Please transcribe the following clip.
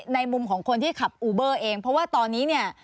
ในมุมของคนที่ขับอูเบอร์เองเพราะว่าตอนนี้เนี่ย